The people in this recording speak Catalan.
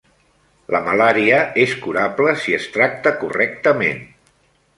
La malària és curable si es tracta correctament.